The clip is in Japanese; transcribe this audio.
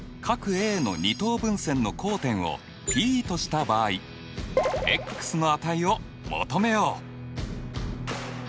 Ａの二等分線の交点をＰとした場合ｘの値を求めよう！